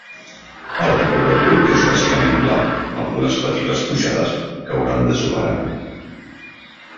El recorregut és bàsicament pla, amb algunes petites pujades que hauran de superar.